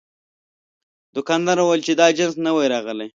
دوکاندار وویل چې دا جنس نوی راغلی.